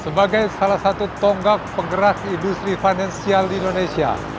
sebagai salah satu tonggak penggerak industri finansial di indonesia